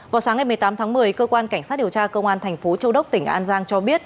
vào sáng ngày một mươi tám tháng một mươi cơ quan cảnh sát điều tra công an thành phố châu đốc tỉnh an giang cho biết